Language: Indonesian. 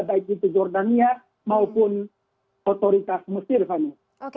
baik itu jordania maupun otoritas muslim